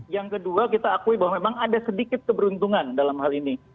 yang kedua kita akui bahwa memang ada sedikit keberuntungan dalam hal ini